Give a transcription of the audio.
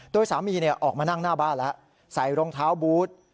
โดยสามีออกมานั่งหน้าบ้านแล้วใส่รองเท้าบูธ